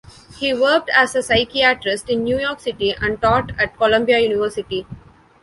He worked as a psychiatrist in New York City and taught at Columbia University.